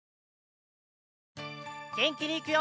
げんきにいくよ！